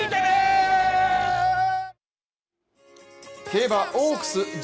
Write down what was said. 競馬オークス・ＧⅠ。